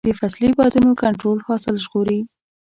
د فصلي بادونو کنټرول حاصل ژغوري.